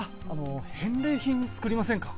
返礼品を作りませんか？